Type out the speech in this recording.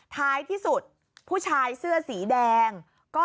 ท้ายที่สุดผู้ชายเสื้อสีแดง